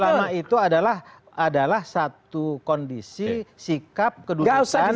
ulama itu adalah satu kondisi sikap kedua orang